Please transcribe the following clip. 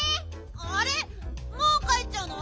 あれもうかえっちゃうの？